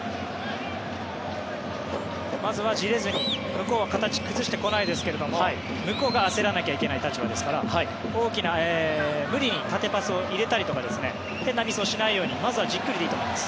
まずはじれずに向こうは形を崩してこないですが向こうが焦らなきゃいけない立場ですから無理に縦パスを入れたりとか変なミスをしないようにまずはじっくりでいいと思います。